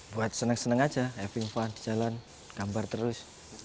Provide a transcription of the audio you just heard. buat seneng seneng aja having fun di jalan gambar terus